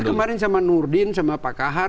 kita kemarin sama nur din sama pak kahar